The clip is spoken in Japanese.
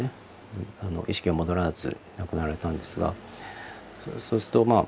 意識が戻らず亡くなられたんですがそうするとまあ